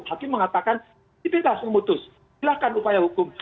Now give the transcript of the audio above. hakim mengatakan dibebas memutus silahkan upaya hukum